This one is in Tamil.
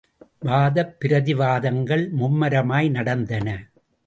வாதப் பிரதி வாதங்கள் மும்முரமாய் நடந்தன.